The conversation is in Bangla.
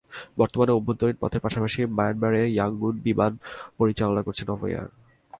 বর্তমানে অভ্যন্তরীণ পথের পাশাপাশি মিয়ানমারের ইয়াঙ্গুনে বিমান পরিচালনা করছে নভো এয়ার।